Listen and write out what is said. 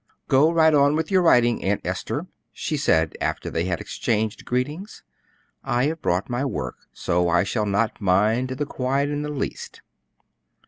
"Go right on with your writing, Aunt Esther," she said after they had exchanged greetings. "I have brought my work, so I shall not mind the quiet in the least."